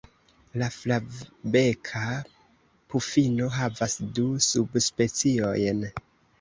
La Flavbeka pufino havas du subspeciojn.